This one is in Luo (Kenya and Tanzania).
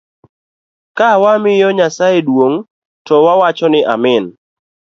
Kawamiyo Nyasaye duong to wawacho ni amin.